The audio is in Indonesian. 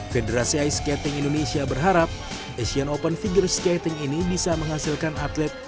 federasi ice skating indonesia berharap asian open figure skating ini bisa menghasilkan atlet